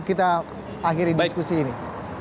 kita akhiri diskusi ini